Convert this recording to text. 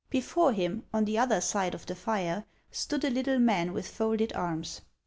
Before him, on the other side of the fire, stood a little man with folded arms.